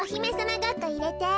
ごっこいれて。